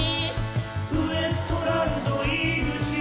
・「ウエストランド井口」